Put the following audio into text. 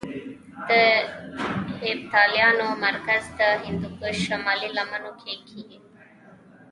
د هېپتاليانو مرکز د هندوکش شمالي لمنو کې کې وو